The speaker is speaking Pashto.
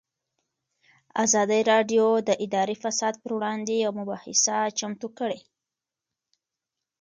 ازادي راډیو د اداري فساد پر وړاندې یوه مباحثه چمتو کړې.